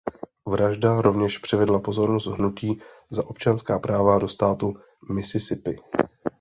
Vražda rovněž přivedla pozornost hnutí za občanská práva do státu Mississippi.